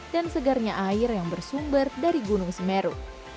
dan segarnya air yang bersumber dari gunung semeru